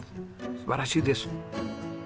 素晴らしいです。